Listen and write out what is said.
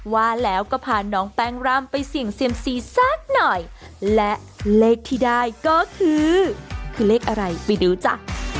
ว่าแล้วก็พาน้องแป้งร่ำไปเสี่ยงเซียมซีสักหน่อยและเลขที่ได้ก็คือคือเลขอะไรไปดูจ้ะ